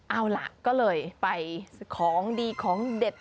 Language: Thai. เอาล่ะก็เลยไปของดีของเด็ด